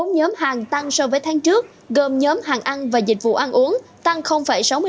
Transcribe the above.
bốn nhóm hàng tăng so với tháng trước gồm nhóm hàng ăn và dịch vụ ăn uống tăng sáu mươi năm